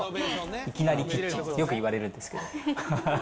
いきなりキッチン、よく言われるんですけど。